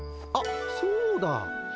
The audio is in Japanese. あっそうだ。